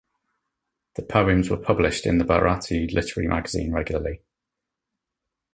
The poems were published in the "Bharati" literary magazine regularly.